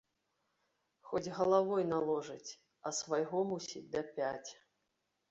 Хоць галавой наложыць, а свайго мусіць дапяць.